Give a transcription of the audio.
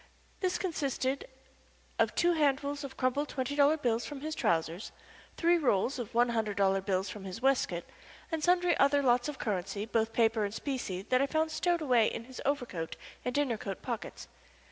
This consisted of two handfuls of crumpled twenty dollar bills from his trousers, three rolls of one hundred dollar bills from his waistcoat, and sundry other lots of currency, both paper and specie, that I found stowed away in his overcoat and dinner coat pockets.